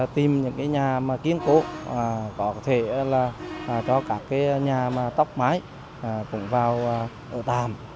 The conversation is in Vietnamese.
tìm những nhà kiếm cứu có thể là cho các nhà tóc mái cũng vào ở tàm